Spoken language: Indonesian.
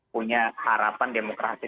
punya harapan demokrasi